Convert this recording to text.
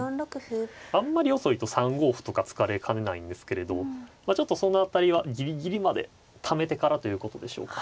あんまり遅いと３五歩とか突かれかねないんですけれどまあちょっとその辺りはギリギリまでためてからということでしょうか。